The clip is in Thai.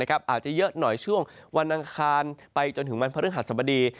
อาจจะเยอะหน่อยช่วงวันอังคารไปจนถึงวันพฤหัสบดี